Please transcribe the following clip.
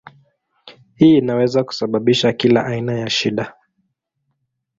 Hii inaweza kusababisha kila aina ya shida.